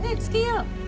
付けよう。